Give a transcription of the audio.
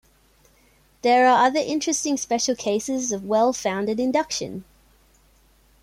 There are other interesting special cases of well-founded induction.